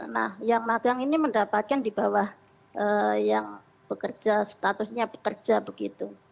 nah yang magelang ini mendapatkan di bawah yang bekerja statusnya pekerja begitu